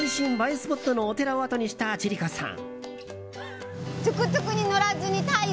スポットのお寺を後にした千里子さん。